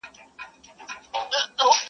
ډاکټره خاص ده ګنې وه ازله ,